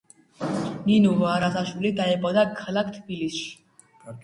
ნინო არაზაშვილი დაიბადა ქალაქ თბილისში.